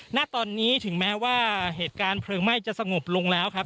ณตอนนี้ถึงแม้ว่าเหตุการณ์เพลิงไหม้จะสงบลงแล้วครับ